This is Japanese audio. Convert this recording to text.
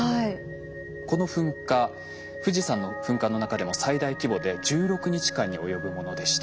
この噴火富士山の噴火の中でも最大規模で１６日間に及ぶものでした。